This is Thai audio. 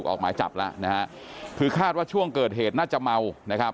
ออกหมายจับแล้วนะฮะคือคาดว่าช่วงเกิดเหตุน่าจะเมานะครับ